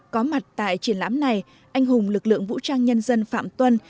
có mặt tại triển lãm này anh hùng lực lượng vũ trang nhân dân phạm tuân